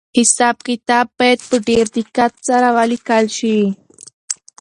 حساب کتاب باید په ډېر دقت سره ولیکل شي.